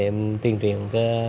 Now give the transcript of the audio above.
em tuyên truyền